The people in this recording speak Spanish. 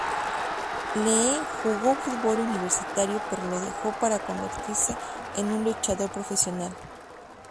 Lee jugó fútbol universitario, pero lo dejó para convertirse en un luchador profesional.